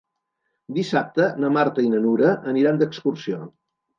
Dissabte na Marta i na Nura aniran d'excursió.